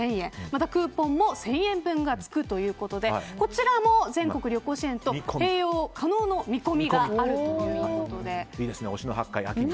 またクーポンも１０００円分がつくということでこちらも全国旅行支援と併用可能の忍野八海、秋にいいですね。